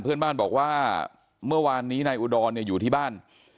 เพื่อนบ้านบอกว่าเมื่อวานนี้นายอุดรอยู่ที่บ้าน